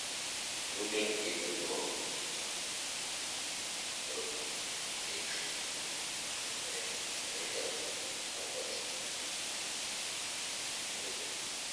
Removing even more modern non-asbestos coatings can expose the operator to hazardous dust particles.